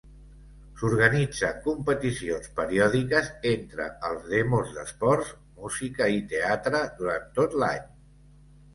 S'organitzen competicions periòdiques entre els Demos d'esports, música i teatre durant tot l'any.